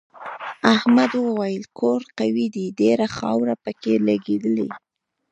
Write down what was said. احمد وویل کور قوي دی ډېره خاوره پکې لگېدلې.